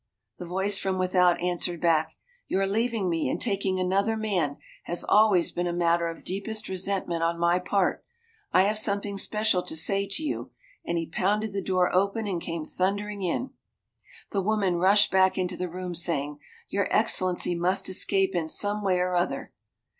The voice from without answered back, "Your leaving me and taking another man has always been a matter of deepest resentment on my part; I have something special to say to you," and he pounded the door open and came thundering in. The woman rushed back into the room, saying, "Your Excellency must escape in some way or other."